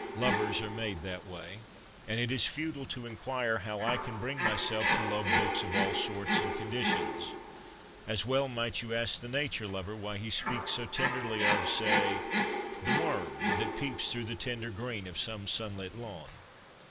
Lovers are made that way ; and it is futile to inquire how I can bring myself to love books of ' all sorts and con ditions.' As well might you ask the nature lover why he speaks so tenderly of, say, the worm that peeps through the tender green of some sun lit lawn.